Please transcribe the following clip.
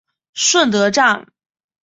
顺德站